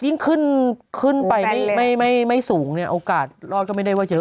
ยิ่งขึ้นขึ้นไปไม่สูงเนี่ยโอกาสรอดก็ไม่ได้ว่าเยอะ